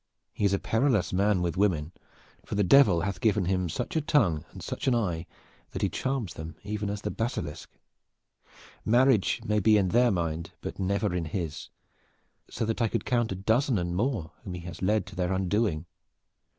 He is a perilous man with women, for the Devil hath given him such a tongue and such an eye that he charms them even as the basilisk. Marriage may be in their mind, but never in his, so that I could count a dozen and more whom he has led to their undoing.